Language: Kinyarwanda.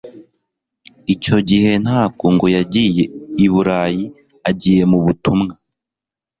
icyo gihe nabwo ngo yagiye i Burayi agiye mu butumwa